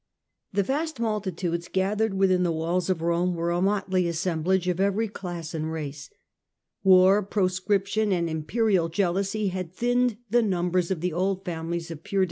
The vast multitudes gathered within the walls of Rome were a motley assemblage of every class and race. The 'tizens proscription, and imperial jealousy had of Rome a thinned the numbers of the old families of mixed race.